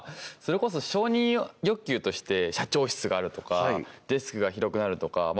それこそ承認欲求として社長室があるとかデスクが広くなるとか